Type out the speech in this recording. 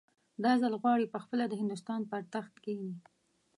دا ځل غواړي پخپله د هندوستان پر تخت کښېني.